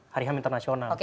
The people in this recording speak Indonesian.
hari ham internasional